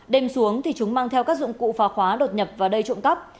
đêm xuống thì chúng mang theo các dụng cụ phá khóa đột nhập và đầy trộm cấp